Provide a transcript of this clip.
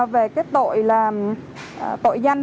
về tội danh